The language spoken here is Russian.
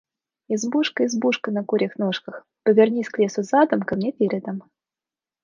Избушка, избушка на курьих ножках: повернись к лесу задом, ко мне передом!